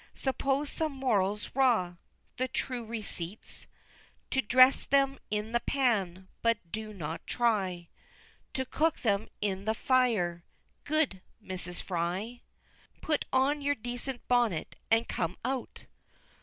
Suppose some morals raw! the true receipt's To dress them in the pan, but do not try To cook them in the fire, good Mrs. Fry! XV. Put on your decent bonnet, and come out!